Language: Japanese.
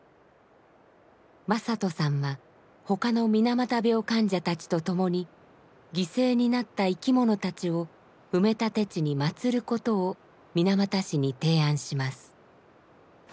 正人さんは他の水俣病患者たちと共に犠牲になった生き物たちを埋め立て地にまつることを水俣市に提案します。